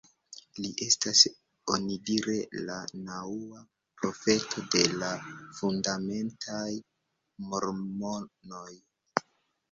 Li estas onidire la naŭa profeto de la fundamentaj mormonoj.